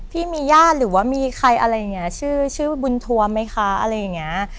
พี่มีญาติหรือว่ามีใครอะไรอย่างนี้ชื่อชื่อบุญทัวร์ไหมคะอะไรอย่างเงี้ย